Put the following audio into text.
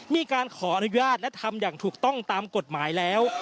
มีการขออนุญาตและทำอย่างถูกต้องตามกฎหมายแล้ว